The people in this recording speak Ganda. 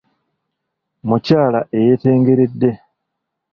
Mukyala eyeetengeredde.